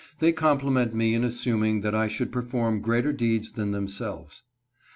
They compliment me in assuming that I should perform greater deeds than themselves.